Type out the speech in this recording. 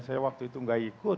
saya waktu itu gak ikut